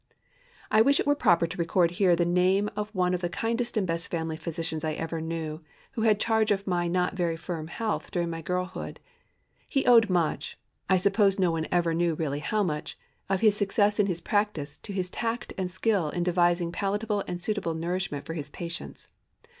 I wish it were proper to record here the name of one of the kindest and best family physicians I ever knew, who had charge of my not very firm health during my girlhood. He owed much—I suppose no one ever knew really how much—of his success in his practice to his tact and skill in devising palatable and suitable nourishment for his patients.